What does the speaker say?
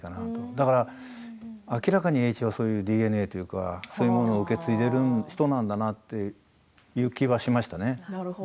だから明らかに栄一はそういうＤＮＡというかそういうのものを受け継いでる人なんだなっていうなるほど。